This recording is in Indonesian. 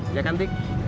iya kan tik